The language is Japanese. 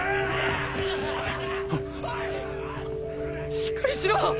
しっかりしろ！！